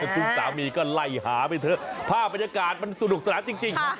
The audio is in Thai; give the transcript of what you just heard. คุณสามีก็ไล่หาไปเถอะภาพบรรยากาศมันสนุกสนานจริง